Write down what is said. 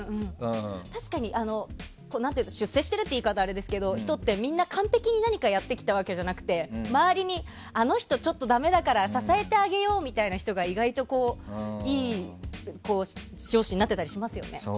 確かに、出世しているという言い方はあれですけど人ってみんな完璧に何かをやってきたわけじゃなくて周りにあの人ちょっとダメだから支えてあげようみたいな人が意外といい上司になってたりしますよね。